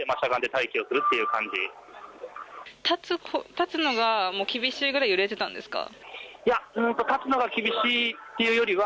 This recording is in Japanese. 立つのが厳しいぐらい揺れてたんですか？